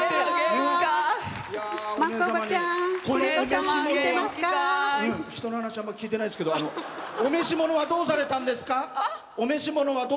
人の話をあまり聞いてないですけどお召し物はどうされたんですか？